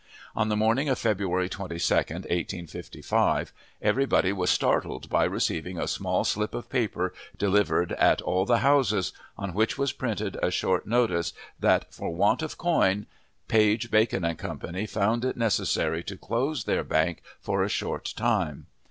On the morning of February 22, 1855, everybody was startled by receiving a small slip of paper, delivered at all the houses, on which was printed a short notice that, for "want of coin," Page, Bacon & Co. found it necessary to close their bank for a short time.